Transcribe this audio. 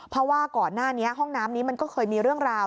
เพราะว่าก่อนหน้านี้ห้องน้ำนี้มันก็เคยมีเรื่องราว